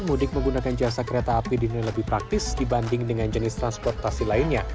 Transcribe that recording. mudik menggunakan jasa kereta api dinilai lebih praktis dibanding dengan jenis transportasi lainnya